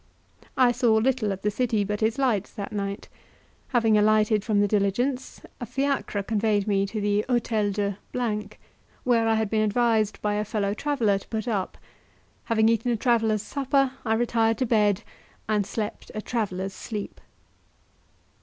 I saw little of the city but its lights that night. Having alighted from the diligence, a fiacre conveyed me to the Hotel de , where I had been advised by a fellow traveller to put up; having eaten a traveller's supper, I retired to bed, and slept a traveller's sleep.